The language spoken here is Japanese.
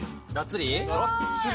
がっつり？